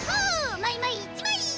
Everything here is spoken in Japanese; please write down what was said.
マイマイ１マイ！